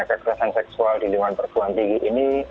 kekerasan seksual di lingkungan perguruan tinggi ini